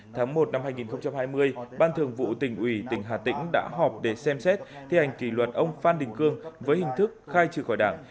tháng một năm hai nghìn hai mươi ban thường vụ tỉnh ủy tỉnh hà tĩnh đã họp để xem xét thi hành kỷ luật ông phan đình cương với hình thức khai trừ khỏi đảng